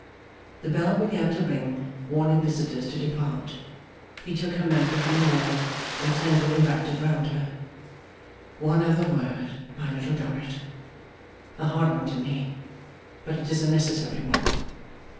The bell began to ring, warning visitors to depart. He took her mantle from the wall, and tenderly wrapped it round her. 'One other word, my Little Dorrit. A hard one to me, but it is a necessary one.